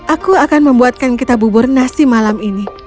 aku akan membuatkan kita bubur nasi malam ini